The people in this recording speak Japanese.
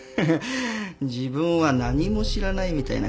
自分は何も知らないみたいな口ぶりだな。